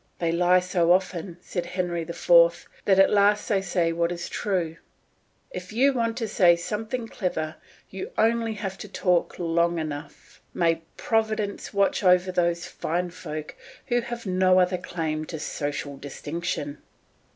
"They lie so often," said Henry IV., "that at last they say what is true." If you want to say something clever, you have only to talk long enough. May Providence watch over those fine folk who have no other claim to social distinction.